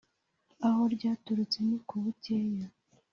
aho ryaturutse ni ku bukeya